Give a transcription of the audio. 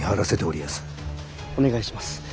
お願いします。